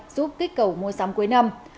giúp kích cầu mua sắm cuối năm